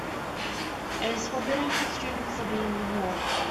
It is forbidden for students to be in the hall.